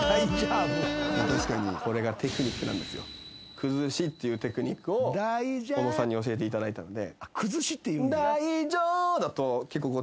「崩し」っていうテクニックを小野さんに教えていただいたので。